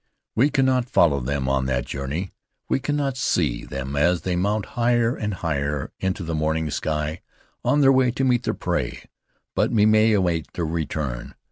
We cannot follow them on that journey. We cannot see them as they mount higher and higher into the morning sky, on their way to meet their prey. But we may await their return.